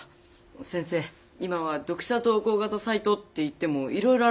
先生今は読者投稿型サイトっていってもいろいろあるんだ。